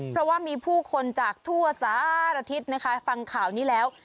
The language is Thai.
เพราะว่ามีผู้คนจากทั่วสารทิศนะคะฟังข่าวนี้แล้ว